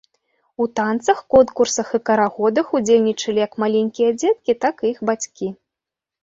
У танцах, конкурсах і карагодах удзельнічалі як маленькія дзеткі, так і іх бацькі.